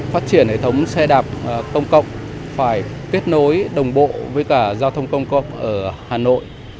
phát triển hệ thống xe đạp công cộng phải kết nối đồng bộ với cả giao thông công cộng ở hà nội